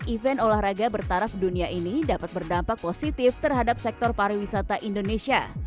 event olahraga bertaraf dunia ini dapat berdampak positif terhadap sektor pariwisata indonesia